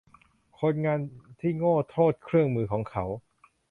คนงานที่โง่โทษเครื่องมือของเขา